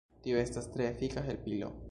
Tio estas tre efika helpilo.